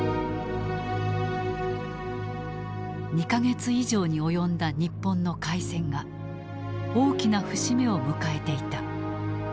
２か月以上に及んだ日本の開戦が大きな節目を迎えていた。